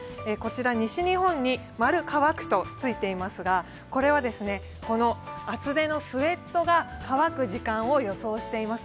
西日本に乾くとついていますが、この厚手のスエットが乾く時間を予想しています。